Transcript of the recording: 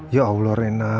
ya allah rena